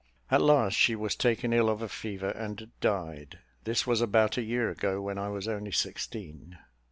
At last she was taken ill of a fever, and died. This was about a year ago, when I was only sixteen.